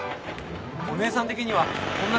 お姉さん的にはこんな。